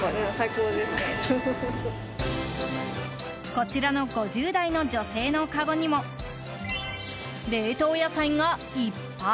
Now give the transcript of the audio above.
こちらの５０代の女性のかごにも冷凍野菜がいっぱい。